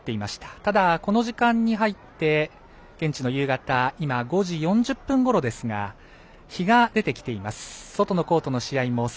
ただ、この時間に入って現地の夕方今５時４０分ごろですが日が出てきています。